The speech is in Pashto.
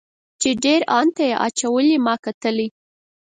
چې ډیر ان ته یې اچولې ما کتلی.